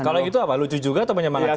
kalau gitu apa lucu juga atau menyemangati